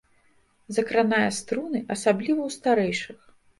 Закранае струны, асабліва ў старэйшых.